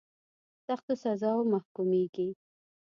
په سختو سزاوو محکومیږي.